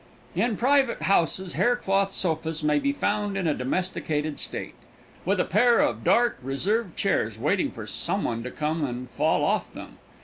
In private houses hair cloth sofas may be found in a domesticated state, with a pair of dark, reserved chairs, waiting for some one to come and fall off them.